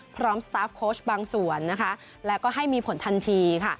พร้อมสตาฟโค้ชบางส่วนและก็ให้มีผลทันที